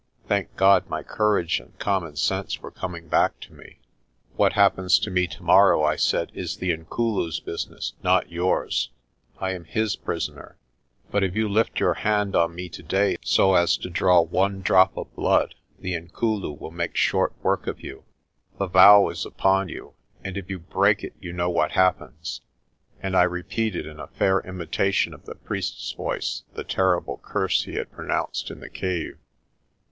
Thank God, my courage and common sense were coming back to me. "What happens to me tomorrow," I said, "is the Inkulu's business, not yours. I am his prisoner. But if you lift your hand on me today so as to draw one drop of blood the Inkulu will make short work of you. The vow is upon you, and if you break it you know what happens." And I repeated, in a fair imitation of the priest's voice, the terrible curse he had pronounced in the cave.